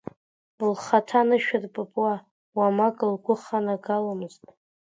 Лхаҭа анышә рпыпра уамак лгәы ханагаломызт.